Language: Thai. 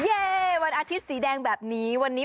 เย้วันอาทิตย์สีแดงแบบนี้